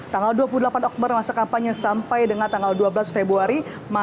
tanggal dua puluh delapan oktober masa kampanye sampai dengan tanggal dua belas februari dua ribu tujuh belas